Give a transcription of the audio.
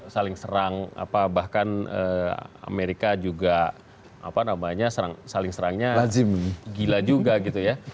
saling serang bahkan amerika juga apa namanya saling serangnya gila juga gitu ya